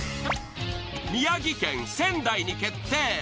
宮城県仙台に決定。